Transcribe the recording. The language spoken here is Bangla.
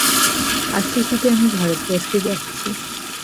আসছে শীতে আমি ভারতবর্ষে যাচ্ছি।